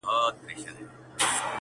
خولې اسمان ته د وړوكو د لويانو!!